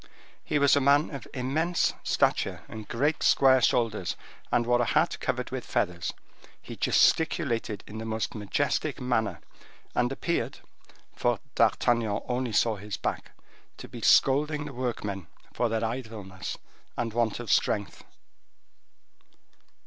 He was a man of immense stature and great square shoulders, and wore a hat covered with feathers. He gesticulated in the most majestic manner, and appeared, for D'Artagnan only saw his back, to be scolding the workmen for their idleness and want of strength.